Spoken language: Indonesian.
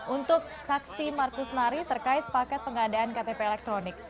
untuk saksi markus nari terkait paket pengadaan ktp elektronik